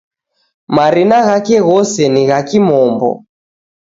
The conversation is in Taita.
Marina ghake ghose ni gha kimombo